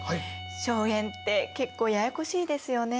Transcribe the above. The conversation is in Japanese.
荘園って結構ややこしいですよね？